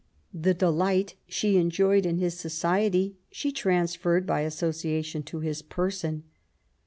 The delight she enjoyed in his society, she transferred by association to his person.